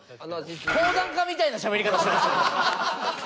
講談家みたいなしゃべり方してましたよね。